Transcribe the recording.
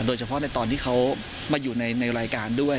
โดยเฉพาะในตอนที่เขามาอยู่ในรายการด้วย